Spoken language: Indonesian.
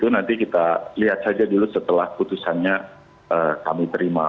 nanti kita lihat saja dulu setelah putusannya kami terima